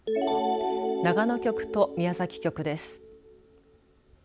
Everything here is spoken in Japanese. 長野局と宮崎局です。